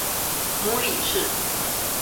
母李氏。